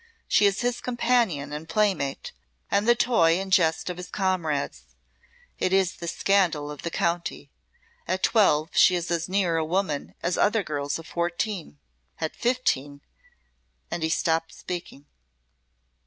She is his companion and playmate, and the toy and jest of his comrades. It is the scandal of the county. At twelve she is as near a woman as other girls of fourteen. At fifteen !" and he stopped speaking.